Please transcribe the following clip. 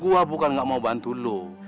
gue bukan gak mau bantu lo